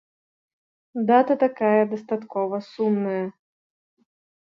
Дата такая дастаткова сумная.